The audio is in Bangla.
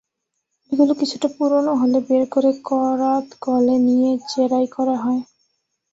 এগুলো কিছুটা পুরোনো হলে বের করে করাতকলে নিয়ে চেরাই করা হয়।